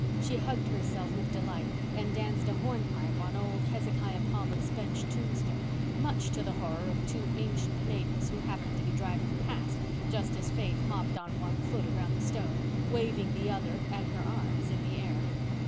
She hugged herself with delight and danced a hornpipe on old Hezekiah Pollock's bench tombstone, much to the horror of two ancient maidens who happened to be driving past just as Faith hopped on one foot around the stone, waving the other and her arms in the air.